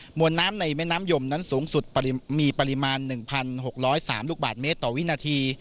วนน้ำในแม่น้ำยมนั้นสูงสุดมีปริมาณ๑๖๐๓ลูกบาทเมตรต่อวินาที